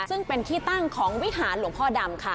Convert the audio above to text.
ซึ่งเป็นที่ตั้งของวิหารหลวงพ่อดำค่ะ